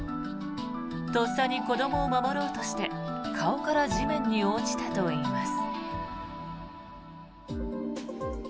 とっさに子どもを守ろうとして顔から地面に落ちたといいます。